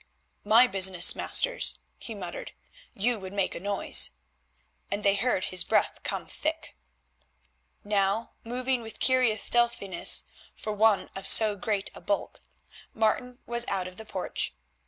"My business, masters," he muttered; "you would make a noise," and they heard his breath come thick. Now, moving with curious stealthiness for one of so great a bulk, Martin was out of the porch.